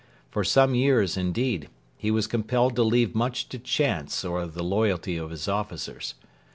For some years, indeed, he was compelled to leave much to chance or the loyalty of his officers.